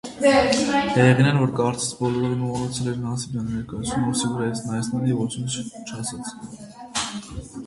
Հեղինեն, որ կարծես բոլորովին մոռացել էր Նասիբյանի ներկայությունը, ուսի վրայից նայեց նրան և ոչինչ չասաց: